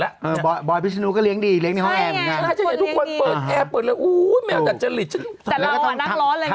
ก็ต้องเลี้ยงในห้องแอร์อยู่ในห้องนอน